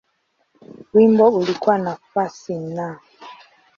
Wimbo ulikuwa nafasi Na.